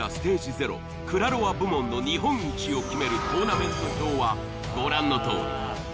０「クラロワ」部門の日本一を決めるトーナメント表はご覧のとおり。